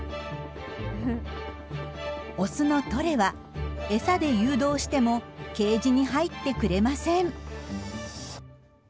オスのトレは餌で誘導してもケージに入ってくれません。